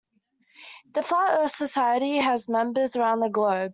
The Flat Earth Society has members around the globe.